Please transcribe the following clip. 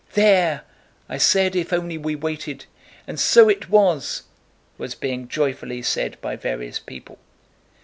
"There! I said if only we waited—and so it was!" was being joyfully said by various people.